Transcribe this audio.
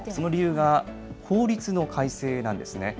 その理由が法律の改正なんですね。